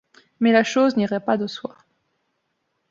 Mais la chose n'ira pas de soi.